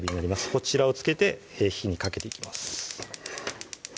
こちらをつけて火にかけていきます